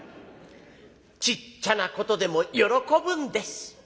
ちっちゃなことでも喜ぶんです。